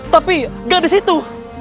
tapi gak di situ